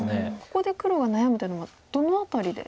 ここで黒が悩むというのはどの辺りで？